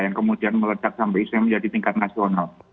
yang kemudian melecak sampai itu menjadi tingkat nasional